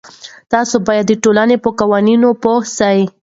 تاسې به د ټولنې په قوانینو پوه سئ.